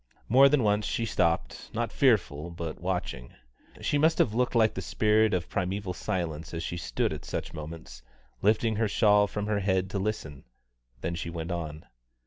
More than once she stopped, not fearful, but watching. She must have looked like the spirit of primeval silence as she stood at such moments, lifting her shawl from her head to listen; then she went on.